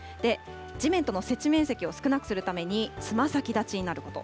地面との接地面積を少なくするためにつま先立ちになること。